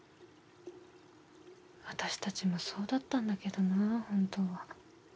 私たちもそうだったんだけどな本当は。